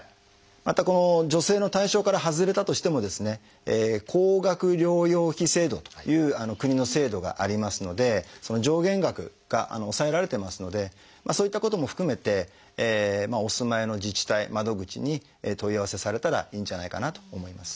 またこの助成の対象から外れたとしても高額療養費制度という国の制度がありますので上限額が抑えられてますのでそういったことも含めてお住まいの自治体窓口に問い合わせされたらいいんじゃないかなと思います。